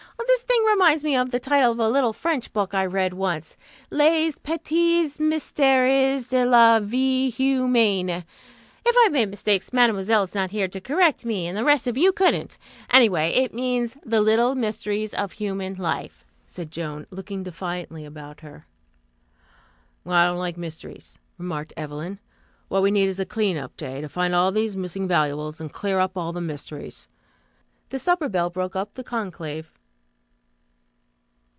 This thing reminds me of the title of a little French book I read once: Les Petits Mysteres de la Vie Humaine. If I've made mistakes, Mademoiselle is not here to correct me, and the rest of you couldn't. Anyway, it means 'The Little Mysteries of Human Life,'" said Joan, looking defiantly about her. "Well, I don't like mysteries," remarked Evelyn. "What we need is a clean up day, to find all these missing valuables, and clear up all the mysteries." The supper bell broke up the conclave.